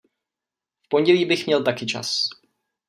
V pondělí bych měl taky čas.